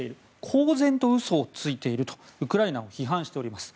公然と嘘をついているとウクライナを批判しております。